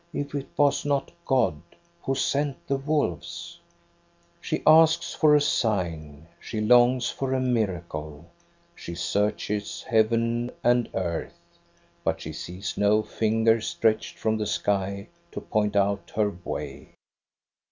" If it was not God, who sent the wolves ?" She asks for a sign, she longs for a miracle. She searches heaven and earth. But she sees no finger stretched from the sky to point out her way.